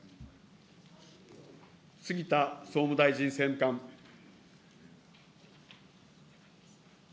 杉田総務大臣政務官。